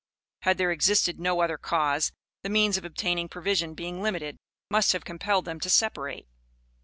Had there existed no other cause, the means of obtaining provision being limited, must have compelled them to separate.